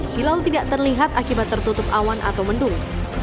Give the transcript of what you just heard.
hilal tidak terlihat akibat tertutup awan atau mendung